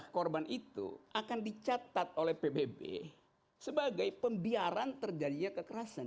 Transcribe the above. tiga puluh tiga korban itu akan dicatat oleh pbb sebagai pembiaran terjadinya kekerasan